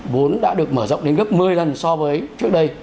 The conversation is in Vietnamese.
vốn đã được mở rộng đến gấp một mươi lần so với trước đây